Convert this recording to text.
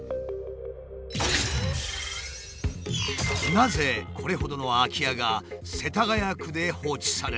なぜこれほどの空き家が世田谷区で放置されるのか？